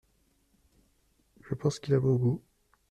Je pense qu’il a bon goût.